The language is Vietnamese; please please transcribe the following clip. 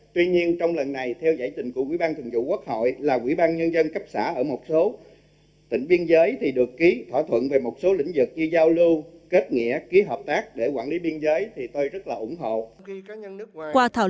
tuy nhiên trong lần này theo giải trình của quỹ ban thường vụ quốc hội là quỹ ban nhân dân cấp xã ở một số tỉnh biên giới thì được ký thỏa thuận về một số lĩnh vực như giao lưu kết nghĩa ký hợp tác để quản lý biên giới thì tôi rất là ủng hộ